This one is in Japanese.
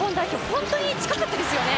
本当に近かったですよね。